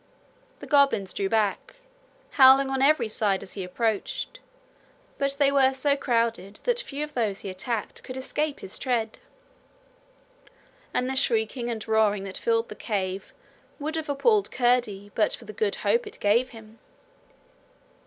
The goblins drew back, howling on every side as he approached, but they were so crowded that few of those he attacked could escape his tread; and the shrieking and roaring that filled the cave would have appalled Curdie but for the good hope it gave him.